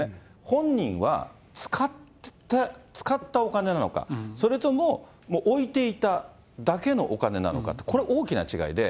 本人は、使ったお金なのか、それとも置いていただけのお金なのかって、これ、大きな違いで。